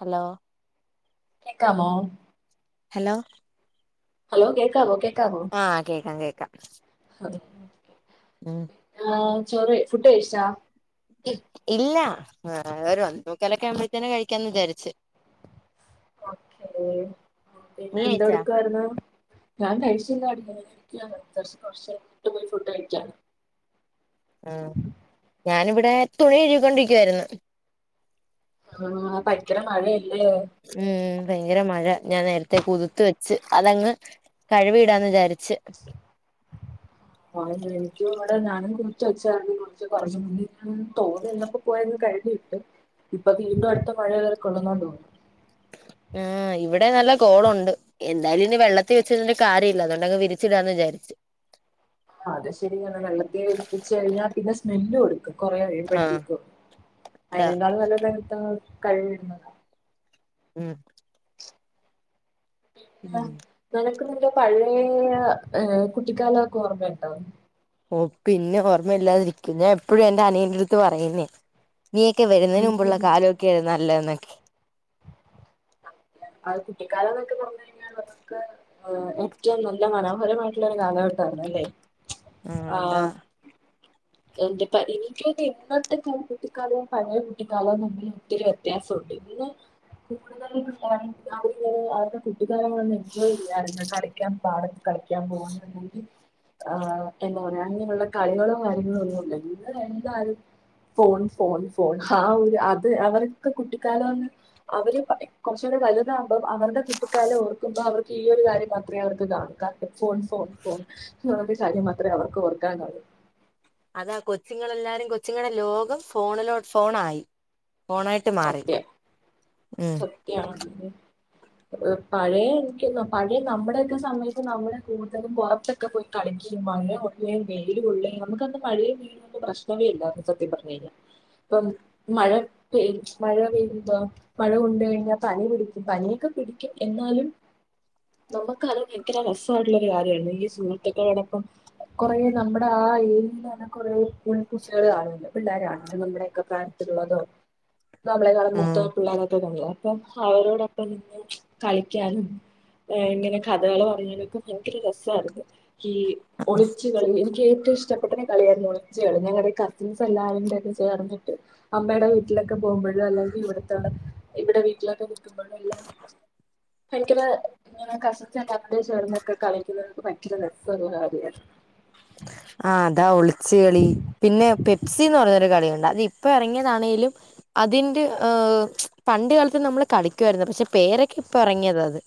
Hello കേക്കാമോ hello hello കേൾക്കാവോക്കെ ആഹ് കേക്കാം കേക്കാം അഹ് ഉം ആഹ് ചോറ് ഫുഡ് കഴിച്ചോ ഇല്ല ഒരു ഒന്നേമുക്കാൽ ആകുമ്പോത്തിന് കഴിക്കാന്ന് വിചാരിച്ച് ഓക്കെ പിന്നെ നീ എന്തു കഴിച്ചാ എടുക്കായിരുന്നു ഞാൻ കഴിച്ചില്ല [unintelligible] കുറച്ച് കഴിഞ്ഞിട്ട് പോയി ഫുഡ് കഴിക്കാ ആഹ് ഞാനിവിടെ തുണി കഴുകി കൊണ്ടിരിക്കുകയായിരുന്നു ആഹ് ബയക്കര മഴയല്ലേ ഉം ഭയങ്കര മഴ ഞാൻ നേരത്തെ കുതുത്ത് വെച്ച് അതങ്ങ് കഴുവി ഇടാന്ന് വിചാരിച്ചച്ച് [unintelligible] ആഹ് എനിക്കും ഇവിടെ ഞാനും കുറിച്ച് വെച്ചും കുറച്ച് പറഞ്ഞു [unintelligible] തോന്നിന്നപ്പോ പോയന്ന് കഴിഞ്ഞിട്ട് ഇപ്പൊ വീണ്ടും അടുത്ത മഴയ വരെ കൊള്ളുന്നുണ്ടോന്നുന്നു ആഹ് ഇവിടെ നല്ല കോളുണ്ട് എന്തായാലും വെള്ളത്തിൽ വെച്ചിരുന്നിട്ട് കാര്യമില്ല അതുകൊണ്ടങ് വിരിച്ചിടാന്ന് വിചാരിച്ചു അത് ശരിയാണ്‌ വെള്ളത്തിേലേൽപ്പിച്ച കഴിഞ്ഞാൽ പിന്നെ സ്മെല്ലും എടുക്കും കൊറെ ആയി ആഹ് പറ്റിറ്റു അതാ അതിനേക്കാൾ നല്ലത് തരത്ത കഴിവുന്ന ഉം ഉം ആഹ് നിനക്ക് നല്ല പഴയ ഏ കുട്ടിക്കാലൊക്കെ ഓർമ്മയുണ്ടോ ഓ പിന്നെ ഓർമ്മയില്ലാതിരിക്കും ഞാൻ എപ്പോഴും എന്റെ അനിയന്റെ അടുത്ത് പറയുന്നേ നീയൊക്കെ വരുന്നതിന് മുമ്പുള്ള കാലക്കെയാരുന്നു നല്ല എന്നൊക്കെ അത് കുട്ടിക്കാലം ന്നൊക്കെ തോന്നുന്നത് ഏറ്റവും നല്ല മനോഹരമായിട്ടുള്ള ഒരു കാലഘട്ടമായിരുന്നു അല്ലേ ആഹ് [unintelligible] എന്റെ ഇൻക്കയ്ന് ഇപ്പെത്തെ കുട്ടിക്കാലോ പഴയ കുട്ടിക്കാലവും തമ്മ ഒത്തിരി വ്യത്യാസമുണ്ട് ഇന്ന് [unintelligible] അവരുടെ കുട്ടിക്കാലങ്ങളെന്നും എൻജോയ് ചെയ്യാറില്ല കളിക്കാൻ പാട കളിക്കാൻ പോവാണ് ആഹ് എന്താ പറയാ അങ്ങനെയുള്ള കളികളോ കാര്യങ്ങളോ ഒന്നും ഇല്ല ഇവ എന്താല ഫോൺ ഫോൺ ഫോൺ ആഹ് ഒരു അത് അവർക്ക് കുട്ടിക്കാല അവര് കുറച്ചുകൂടി വലുതാകുമ്പോൾ അവരുടെ കുട്ടിക്കാലം ഓർക്കുമ്പോൾ അവർക്ക് ഈ ഒരു കാര്യം മാത്രമേ അവർക്ക് കാണിക്ക ഫോൺ ഫോൺ ഫോൺ ആ ഒരു കാര്യം മാത്രമേ അവർക്ക് ഓർക്കാൻ ഒള്ളൂ അതാ കൊച്ചുങ്ങളെല്ലാരും കൊച്ചുങ്ങളുടെ ലോകം ഫോണിലോ ഫോണായി ഫോണായി ട്ട് മാറി സത്യം ഉം [unintelligible] ഏഹ് പഴയെ എനിക്ക് പഴെ നമ്മുടെ ഒക്കെ സമയത്ത് നമ്മള് കൂടുതലും പുറത്തൊക്കെ പോയി കളിക്കയും മഴ കൊള്ളുകയും വെയില് കൊള്ളുകയും നമുക്കന്ന് മഴയും വെയിലും പ്രശ്നമേ ഇല്ലായിരുന്നു സത്യം പറഞ്ഞു കഴിഞ്ഞ ഇപ്പം മഴ ഇപ്പെയ് മഴ പെയ്തോ മഴ കൊണ്ട് കഴിഞ്ഞാൽ പനി പിടിക്കും പനിയൊക്കെ പിടിക്കും എന്നാലും നമുക്ക് അത് ഒക്കെ ഭയങ്കര രസായിട്ടുള്ള ഒരു കാര്യം ആയിരുന്നു ഈ സുഹൃത്തുക്കളോടൊപ്പം കൊറേ നമ്മുടെ ആ ഏരിയൽ തന്നെ കുറേ സ്കൂൾത്തെ കുട്ടികള് ആണല്ലോ പിള്ളേര് ആണല്ലോ നമ്മുടെ ഒക്കെ പ്രായം ത്തില് ഉള്ളതോ നമ്മളേകാളും ഉം മൂത്ത പിള്ളോരൊക്കെ കാണുല്ലോ അപ്പം അവരോടൊപ്പം നിന്ന് കളിക്കാനും ഏഹ് ഇങ്ങനെ കഥകള് പറയാനൊക്കെ ഭയങ്കര രസായിരുന്നു ഈ ഒളിച്ചു കളി എനിക്ക് ഏറ്റവും ഇഷ്ടപ്പെട്ട കളിയായിരുന്നു ഒളിച്ച് കളി ഞങ്ങളുടെ കസിൻസ് എല്ലാവരും ഒക്കെ ചേർന്നിട്ട് അമ്മയുടെ വീട്ടിലൊക്കെ പോകുമ്പോഴോ അല്ലെങ്കിൽ ഇവിടത്തെ ഇവിടെ വീട്ടിലൊക്കെ നിക്കുമ്പോഴോ എല്ലാം ഭയങ്കര ഇങ്ങനെ കസിൻസ് ഒക്കെ കബടി ചേർന്നൊക്കെ കളിക്കുന്നവർക്ക് ഭയങ്കര രസമുള്ള ഒരു കാര്യം ആയിരുന്നു ആ അതാ ഒളിച്ച് കളി പിന്നെ പെപ്സിന്ന് പറയുന്നൊരു കളിയുണ്ട് അത് ഇ ഇപ്പം ഇറങ്ങിയതാണെങ്കിലും അതിന്റെ ഏഹ് പണ്ട് കാലത്ത് നമ്മള് കളി ക്കായിരുന്നു പക്ഷെ പേരൊക്കെ ഇപ്പ ഇറങ്ങിയതാ ഇത്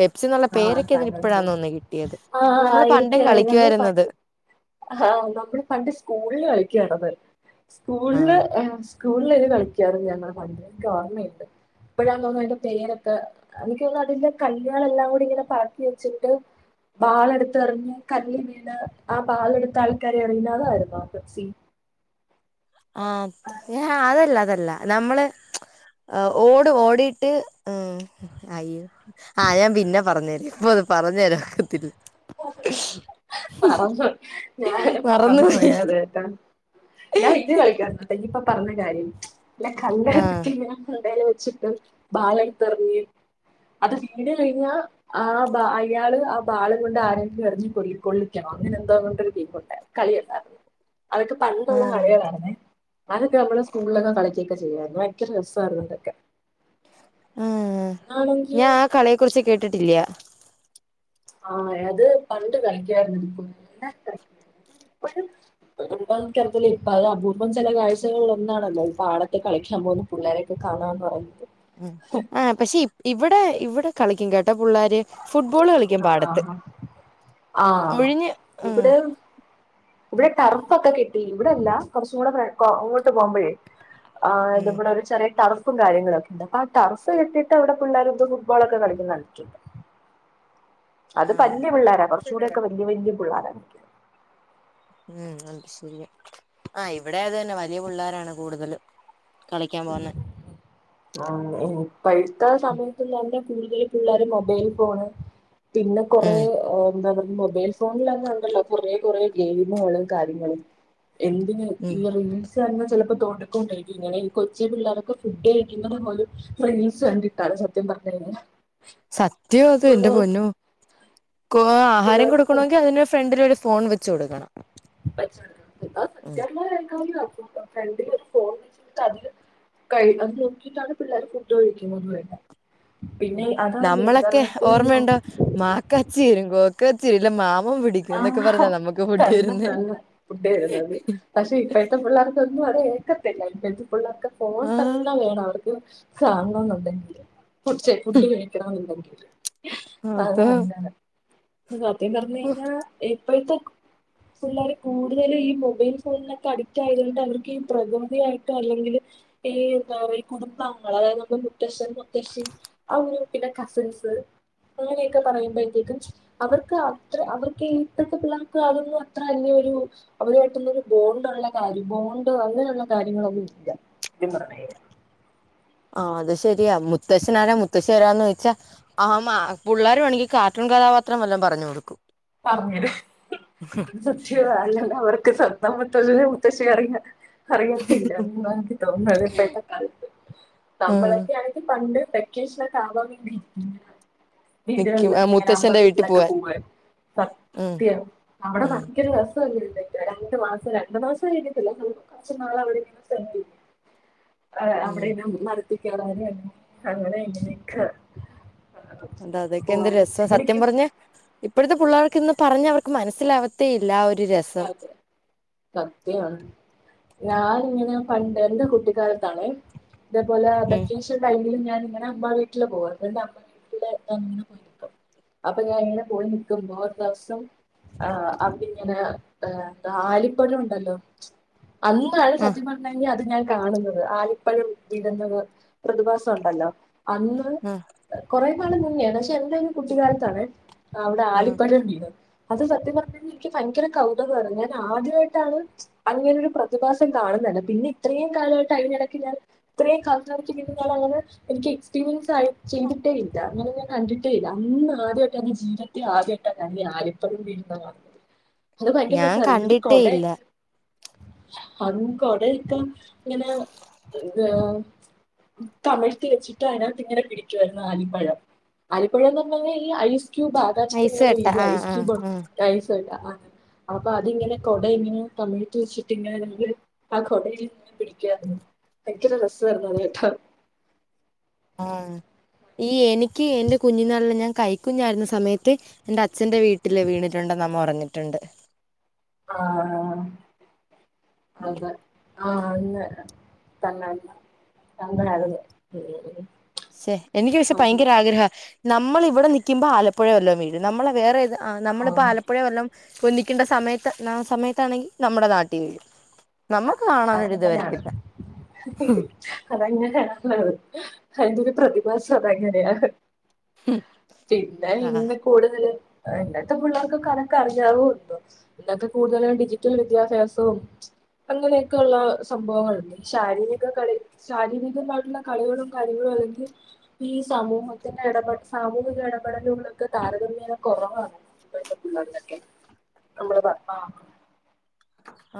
പെപ്സി എന്നുള്ള ആ പേരൊക്കെ ഇതിന് ഇപ്പഴാ തന്നേ തോന്ന്ണത് കിട്ടിയത് നമ്മള് പണ്ടും കളിക്കുവായിരുന്നു അത് ആഹ് നമ്മള് പണ്ട് സ്കൂളിൽ കളിക്കാണ് അത് സ്കൂളില് ആഹ് സ്കൂളിലേനി കളിക്കാറ് ഞങ്ങൾ പണ്ട് അത് ഇൻക്ക് ഒർമ്മയുണ്ട് ഇപ്പോഴാ എന്ന് തോന്നുന്നു അതിന്റെ പേരൊക്ക എനിക്ക് തോന്നുന്നു അതിന്റെ കല്ലുകളെല്ലാം അത് ഇങ്ങനെ പാക്കി വെച്ചിട്ട് ബാളെടുത്ത് എറിഞ്ഞ് കല്ലിൽ വീണ് ആ ബാളെടുത്ത ആൾക്കാരെ എറിയുന്ന അതായിരുന്നോ പെപ്സി ആഹ് ഏഹ് അതല്ല അതല്ല നമ്മള് ആഹ് ഓടും ഓടിയിട്ട് ആയ്യോ ആഹ് ഞാൻ പിന്നെ പറഞ്ഞ് തരാ ഇപ്പൊ അത് പറഞ്ഞ് തരാൻ ഒക്കത്തില്ല മറന്നു ഞാന് അത് മറന്നു മറന്നുപോയി പോയി അതായിട്ടാ ഞാൻ ഇത് കളിക്കാ എന്നാ അതെ ഇനിയിപ്പ പറഞ്ഞ കാര്യം ഇല്ല കണ്ട ആഹ് എടുത്തിട്ടില്ല [unintelligible] ബാള് എടുത്ത് എറിഞ്ഞ് അത് സിഗ്നല് കഴിഞ്ഞാ ആ ബാ അയാള് ആ ബാള് അതുകൊണ്ട് ആരെങ്കിലും എറിഞ്ഞ് കൊള്ളി കൊള്ളിക്കണം അങ്ങനെ എന്തോ കൊണ്ട് ഒരു ഗെയിം ഉണ്ടായിരുന്നു കളി ഉണ്ടായിരുന്നു അതൊക്കെ പണ്ട് ഉള്ള ആഹ് കളികൾ ആയിരുന്നേ അതൊക്കെ നമ്മള് സ്കൂളിലൊക്കെ കളിക്കൊക്കെ ചെയ്യായിരുന്നു ഭയങ്കര രസായിരുന്നു ഇതൊക്കെ ആഹ് ഇന്നാണെങ്കി ഞാൻ ആ കളിയെ കുറിച്ച് കേട്ടിട്ടില്ല ആഹ് അത് പണ്ട് കളിക്കായിരുന്നു പിന്നെ ഇപ്പോഴും [unintelligible] ഇപ്പൊ അത് അപൂർവം ചില കാഴ്ചകളിൽ ഒന്നാണല്ലോ ഈ പാടത്തെ കളിക്കാൻ പോകുന്നെ പുള്ളേരൊക്കെ കാണാ എന്ന് പറയുന്നത് ഉം ആഹ് പക്ഷെ ഇവിടെ ഇവിടെ കളിക്കും കേട്ടൊ പുള്ളേര് ഫുട്ബോള് കളി ആഹ് ആഹ് ഒഴിഞ്ഞ് ഉം ഇവിടെ ഇവിടെ ടർഫ് ഒക്കെ കെട്ടി ഇവിടെ അല്ല കുറച്ചും കൂടെ അങ്ങോട്ട് പോകുമ്പോഴേയ് ആഹ് ഇത് ഉം ഇബ്ടെ ഒരു ചെറിയ ടറഫ് പ്പും കര്യങ്ങളൊക്കെയുണ്ട് അപ്പൊ ആ ടർഫ് കെട്ടിയിട്ട് പിള്ളേരും ഫുട്ബോൾ ഒക്കെ കളിക്കുന്നുട്ടുണ്ട് അത് ആഹ് പല്യ പിള്ളോര കൊർച്ചുകൂടി ഒക്കെ വകല്യ വെല്യ പുള്ളേരാ ഉം അത്ശെരിയാ ആഹ് ഇവിടെയും അത് തെന്നാ വല്യ പുള്ളേരാണ് കൂട്തല് കളിക്കാൻ ഉം പോവാന് ആഹ് [unintelligible] ഇപ്പഴ്ത്തെ സമയത്ത് ഇല്ലെങ്കെ കൂട്തല് പിള്ളേരും മൊബൈൽ ഫോണ് പിന്നെ കൊറേ ഉം എന്താ പറയാ മൊബൈൽസ് ഫോണിലെന്നെ ഉണ്ടല്ലോ കുറേ കെറേ ഗെെമുകള് കാര്യങ്ങളും എന്തിന് ഉം ഇയറിങ്ങും സ് ചെന്നാ ചെലപ്പാെ തോണ്ട്ക്ക് കൊണ്ടാേയിറ്റ് ഇങ്ങനെ ഇ കൊച്ചി പിള്ളേരൊക്കെ ഫുഡ് കഴിക്കുന്നത് പോലും റീൽസ് കണ്ടിട്ടാലോ സത്യം പറഞ്ഞ് കഴിഞ്ഞാ സത്യാഅത് ഇന്റെ പൊന്നാേ [unintelligible] ആഹാരം പിള്ളേർക്ക് ഫുഡ് കൊട്ക്കണോങ്കി അതിന് ഫ്രണ്ടില് ഒരു ഫോൺ വെ യ്യു കൊട്ക്കണം പച്ച അത് സത്യായിട്ട് [unintelligible] ഫ്രണ്ടില് ഒരു ഫോൺ വെച്ചിട്ട് അതില് കഴിക്കാൻ നോക്കിട്ടാണ് പിള്ളേർ ഫുഡ്ഡ് കഴിക്ക്ണത് വരെ ഉം നമ്മളൊക്കെ ഓർമ്മയുണ്ടോ മാക്കാച്ചി വെരും ഗോ ക്കാച്ചി വെര്ല മാമം പിടിക്കും എന്നൊക്കെ ആഹ് പറഞ്ഞാ നമ്മക്ക് ഫുഡ്ഡ് തന്നെ തെര്ന്നേ തന്നെ ഫുഡ് തരുന്നത് പക്ഷെ ഇപ്പഴ്ത്തെ പിള്ളേർക്കൊന്നും അത് ഏക്കത് ത്തില്ല ഇപ്പഴ്ത്തെ പിള്ളർക്ക് ഫോൺ ആഹ് തന്നെ വേണം അവർക്ക് സാങ്ങാന്നുണ്ടെങ്കില് ഫുഡ് ചെ ഫുഡ് കഴിക്കണം എന്നുണ്ടെങ്കില് അത് അതാ എന്താണ് സത്യം പറഞ്ഞ് കഴി ഞ്ഞാ ഇപ്പഴ്ത്തെ കു പിള്ളേര് കൂട്തലും ഈ മൊബൈൽ ഫോണിലൊക്കെ അഡിക്റ്റ് ആയതുകൊണ്ട് അവർക്ക് ഈ പ്രകൃതിയായിട്ടോ അല്ലെങ്കില് ഈ എന്താ പറയാ കുടുംബാങ്കങ്ങള് അതായത് നമ്മുടെ മുത്തശ്ശൻ മുത്തശ്ശിൻ ആ ഒരു ഗ്രൂപ്പിന്റെ കസിൻസ് അങ്ങനെയെക്കെ പറയുമ്പഴ്ത്തേക്കും ച് അവർക്കാ ത്രെ അവർക്കേ ഇത്രക്കു പിരാക്ക് അതൊന്നും അത്ര വെല്യരു അവരുവായിട്ട് ഇന്നാെരു ബോണ്ട് ഉള്ളെകാര്യം ബോണ്ട് അങ്ങനെയുള്ള കാര്യങ്ങളൊന്നും ഇല്ല സത്യം പറയാണങ്കില് ആഹ് അത് ശരിയയാ മുത്തശ്ശനാരാ മുത്തെശ്ശി എവരാന്ന് വെച്ച ആഹ് മാ പുള്ളേര് വേണെങ്കി കാർട്ടൂൺ കഥാപാത്രം വല്ലതും പറഞ്ഞു കൊടുക്കും പറഞ്ഞെരും അത് സത്യവാ അല്ല ഇത് അവടെ എത്തിയാ സ്വന്തം മുത്തുള്ളെ ഒരുമുത്തശ്ശിയെ അറീല ഇറങ്ങ അറിയത്തില്ല എന്നാ എനിക്ക് തോന്നുന്നത് ഇപ്പഴ്ത്തെ കാലത്ത് ആഹ് നമ്മഴക്കെ ആണെങ്കിൽ പണ്ട് പെ വെക്കേഷ്നൊക്കെ ആവാൻ വേണ്ടി നിക്കും ഇങ്ങനെവീട്കൾല് ആഹ് ഇങ്ങനെ അമ്പ മുത്തശ്ശന്റെ വീട്ടി വീട്ട്ലൊക്കെ പോവാൻ പോകായിര്ന്നു ഉം സത്യം അവടെ ഉം പറഞ്ഞ ങ്കര രസ്വല്ലെ [unintelligible] രണ്ട് മാസം രണ്ട് മാസം കഴിഞ്ഞിട്ടല്ല നൊ കൊറച്ച് നാള് അവടേം നിന്ന് [unintelligible] ആഹ് അവടേ ഉം ഇനം മരത്തിക്കേറാനും അങ്ങനെ അങ്ങനെ ഇങ്ങനിംക്ക അതാ അതൊക്കെ എന്ത് രസാസത്യം പറഞ്ഞ ഇപ്പഴ്ത്തെ പുള്ളേർക്ക് ഇന്ന് പറഞ്ഞ അവർക്ക് മനസ്സിലാവ ത്തേ ഇല്ല ആ ഒരു രസം സത്യാണ് ഞാന് ഇങ്ങനെ പണ്ട് എന്റെ കുട്ടിക്കാലത്താണേ ഇതേപോലെ ഉം അതൊക്കിം മിക്ക ടൈും ഞാന് ഇങ്ങനെ അമ്പാ വീട്ടില് പോവാര്ന്നു എന്റെ അമ്മ വീട്ടില് അങ്ങനെ പോയി നിക്കും അപ്പൊ ഞാൻ എങ്ങനെ പോയി നിക്കുമ്പോ ദിവസം ആഹ് അമ്മി ഇങ്ങനെ ഏഹ് ആലിപ്പഴം ഉണ്ടല്ലോ അന്നാണ് ആഹ് സത്യം പർ ണെയ്ഞ്ഞാ ഇഞ്ഞ്ഞഅത് ഞാൻ കാണുന്നത് ആലിപ്പഴം വീഴ്ന്നത് പ്രതിഭാസം ഉണ്ടല്ലോ അന്ന് ആഹ് കാെറേ നാള് മുന്നേണ് പക്ഷെ എന്റെ ഒരു കുട്ടിക്കാലത്താണ് അവടെ ആഹ് ആലിപ്പഴം വീണത് അത് സത്യം പറഞ്ഞ് കഴിഞ്ഞാ എനിക്ക് ഭയങ്കര കൗതകമാണ് ഞാൻ ആദ്യമായിട്ടാണ് അങ്ങനെ ഒരു പ്രതിഭാസം കാണുന്നത് എന്നെ പിന്നെ ഇത്രയും കാലമായിട്ട് സ്റ്അതിനിടക്ക ഞാൽ ഇത്രീം കാലത്തിന് എടക്ക് പിന്നിം ഞാനങ്ങനെ എനിക്ക് എക്സ്പീരിയൻസ്ഡ് ആയി ചെയ്തിട്ടേ ഇല്ല അങ്ങനെ ഞാൻ കണ്ടിട്ടേ ഇല്ല അന്ന് ആദ്യമായിട്ട് അന്റെ ജീവിത ത്തി ആദ്യായിട്ട ഞാൻ ഈ ആലിപ്പഴം വീഴുന്ന കാണുന്നത് അത് ഭയങ്കര ഞാൻ രസാര്ന്ന് എന്നിട്ട് കണ്ടിട്ടേ ഇല്ല കൊടയൊക്ക അതിന് കൊടയൊക്കെ ഇങ്ങനെ എന്തുവാ തമിഴ്ത്തി വെച്ചിട്ട് അതിനകത്ത് ഇങ്ങനെ പിടിക്കുവാരുന്നു ആലിപ്പഴം അലിപ്പഴന്ന് പറഞ്ഞെന്ന ഈ ഐസ് ക്യൂബ ആകാശത്തിന്ന് ഐസ് ഇങ്ങനെ കട്ട വീഴും ആഹ് ഐസ് ക്യൂബ് ആഹ് ഐസ് [unintelligible] അപ്പൊ അതിങ്ങനെ കൊട ഇങ്ങനെ തമിഴ്ത്തിവെച്ചിട്ട് ഇങ്ങനെ [unintelligible] ആ കൊടയിൽ ഇങ്ങനെ പിടിക്കുവാരുന്നു ഭയങ്കര രസായിരുന്നു കേട്ടോ ആഹ് ഈ എനിക്ക് എന്റെ കുഞ്ഞിനാ ളില് ഞാൻ കൈ കുുഞ്ഞായിരുന്ന സമയത്ത് എന്റെ അച്ഛന്റെ വീട്ടില് വീണിട്ടുണ്ടെന്ന് അമ്മ പറഞ്ഞിട്ടുണ്ട് ആഹ് ആഹ് ഉം അതെ ആഹ് അന്ന് തന്നെ ഉം അന്നായിരുന്നു ഉം ശെ എനിക്ക് പക്ഷെ ആഹ് ഭയങ്കര ആഗ്രഹാ നമ്മള് ഇവിടെ നിക്കുമ്പോ ആലപ്പുഴെ വല്ലോം വീഴും നമ്മളെ വേറെത് ആ നമ്മളിപ്പോ ആഹ് ആലപ്പുഴെ വല്ലോം പൊല്ലിക്കെണ്ട സമയത്ത് നാ സമയത്താണെങ്കി നമ്മടെ നാട്ടി വീഴും നമ്മക്ക് കാണാനൊര്ത് വരത്തില്ല അതങ്ങനെയാണത് അയിന്റൊരു പ്രതിഭാസം അതങ്ങനെയാ പിന്നെ ആഹ് ഇന്ന് കൂടുതല് ഇന്നത്തെ പുള്ളേർക്കൊക്കെ അതൊക്കെ അറിയാവൊ എന്തോ ഇന്നത്തെ കൂടുതല് ഡിജിറ്റൽ വിദ്യാഭ്യാസവും അങ്ങനെയൊക്കെ ഉള്ള സംഭവങ്ങളുണ്ട് ശാരീരിക കളി ശാരീരികമായിട്ടുള്ള കളികളും കാര്യങ്ങളും അല്ലെങ്കി ഈ സമൂഹത്തിന്റെ ഇടപെട സാമൂഹിക ഇടപെടലുകളൊക്കെ താരതമ്യേന കുറവാണ് ഇപ്പഴത്തെ പുള്ളേർകൊക്കെ നമ്മള് പറഞ്ഞൊ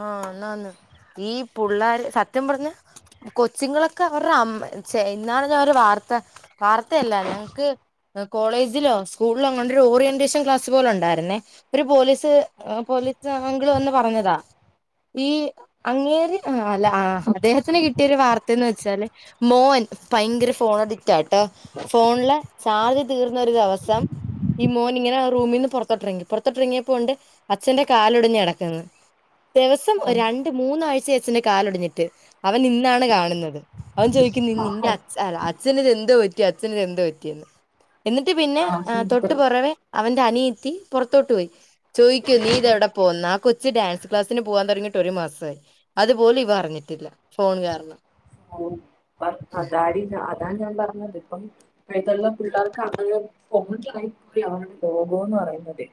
ആഹ് ആന്നാന്ന് ഈ പുള്ളാര് സത്യം പറഞ്ഞ കൊച്ച്ങ്ങളൊക്കെ അവർറെ അമ്മ ച്ഛെ ഇന്നാള് ഞാൻ ഒരു വാർത്ത വാർത്തയല്ല ഞങ്ങക്ക് കോളേജിലോ സ്കൂള്ലോ അങ്ങാണ്ടൊരു ഓറിയന്റേഷൻ ക്ലാസ് പോലെ ഉണ്ടായിരുന്നെ ഒരു പോലീസ് ത് പോലീസ് അങ്ക്ള് വന്ന് പറഞ്ഞതാ ഈ അങ്ങേര് ആഹ് അല്ല ആ അദ്ദേഹത്തിന് കിട്ടിയൊരു വാർത്തയന്ന് വെച്ചാല് മോൻ ഭയങ്കര ഫോണടി റ്റാട്ടോ ഫോണ്ലെ ചാർജ് തീർന്നൊരു ദിവസം ഈ മോന്ങ്ങനെ ആ റൂമിന്ന് പൊറത്തോട്ടിറങ്ങി പൊറത്തോട്ടിറങ്ങിയപ്പോ ഉണ്ട് അച്ഛന്റെ കാലൊടിഞ്ഞ് കിടക്ക്ന്ന് ദിവസം രണ്ട് മൂന്നാഴ്ച ആയി അച്ഛന്റെ കാലൊടിഞ്ഞിട്ട് അവനിന്നാണ് കാണ്ന്നത് അവൻ ചോയിക്കുന്ന് നിന്റെ അ ച് അല്ല അച്ഛന് ഇത് എന്തോ പറ്റി അച്ഛന് ഇത് എന്തോ പറ്റിയെന്ന് എന്നിട്ട് പിന്നെ ആ സൂപ്പർ തൊട്ട്പൊറവേ അവന്റെ അനിയത്തി പൊറത്തോട്ട് പോയി ചോയിക്കാ നീ ഇതെവ്ടെ പോന്ന് ആ കൊച്ച് ഡാൻസ് ക്ലാസിന് പോവാം തൊടങ്ങിട്ട് ഒരു മാസായി അതുപോലും ഇവൻ അറിഞ്ഞിട്ടില്ല ഫോൺ കാരണം ആഹ് ഉം അതാടി ഞ അതാ ഞാൻ പറഞ്ഞത് ഇപ്പം ഇപ്പഴ്ത്തൊള്ള പിള്ളേർക്ക് അവ [unintelligible] ഫോണിലായി പോയി അവടെ ലോകം എന്ന് പറയുന്നതെ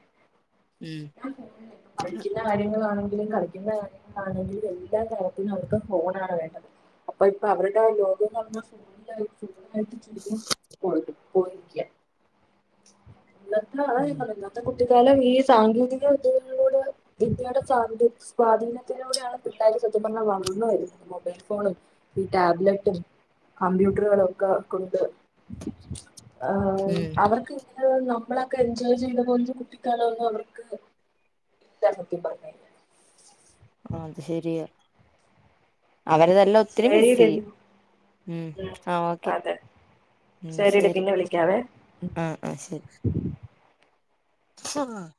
ഉം ഞാൻ ഫോണിലാ ഇപ്പം പഠിക്കുന്നെ കാര്യങ്ങളാണെങ്കിലും കളിക്കുന്ന കാര്യങ്ങളാണെങ്കിലും എല്ലാ തരത്തിലും അവർക്ക് ഫോണാണ് വേണ്ടത് അപ്പൊ ഇപ്പ അവര്ടെ ആ ലോകം ന്ന് പറഞ്ഞാ ഫോണിലായി ഫോണിലായിട്ട് ചുരുങ്ങി പോയിട്ട് പോയിരിക്കാ ഇന്നത്തെ അതാ ഞാൻ ഉം. പറഞ്ഞത് ഇന്നത്തെ കുട്ടികാലം ഈ സാങ്കേതിക വിദ്യകളിലൂടെയാ വിദ്യയുടെ സ്വാത സ്വാധീനത്തിലൂടെയാണ് പിള്ളേര് സത്യം പറഞ്ഞാ വളർന്ന് വരു മൊബൈൽ ഫോണും ഈ ടാബ്ലറ്റും കമ്പ്യൂട്ടറുകളൊക്കെ കൊണ്ട് ആ ഉം. അവർ ക്ക് നമ്മളൊക്കെ എൻജോയ് ചെയ്ത പോലൊരു കുട്ടിക്കാലോന്നും അവർക്ക് ഇല്ലാ സത്യം പറഞ്ഞയി അത് ശരിയാ അവരത് ഇല്ല ഒത്തിരി ശരിയെടി മിസ്സയ്യും ഉം ആഹ് ഓക്കെ ശരിടി പിന്നെ വിളിക്കാവേ ആഹ് ആഹ് ശരി ആഹ്